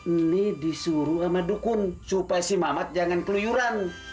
ini disuruh sama dukun supaya si mamat jangan keluyuran